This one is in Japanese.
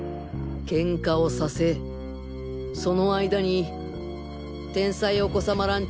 ケンカをさせその間に天才お子さまランチ